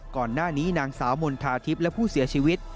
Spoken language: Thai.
ก่อนหน้านี้นางสาวมณฑาทิพย์และผู้เสียชีวิต